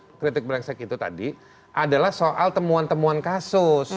karena kritik brengsek itu tadi adalah soal temuan temuan kasus